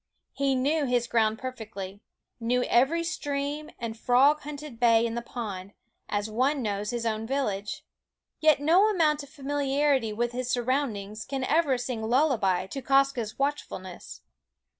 He knew his ground perfectly ; knew every stream and frog haunted bay in the pond, as one knows his own village; yet no amount of familiarity with his sur roundings can 1 ever sing lullaby to Quoskh 's watchfulness.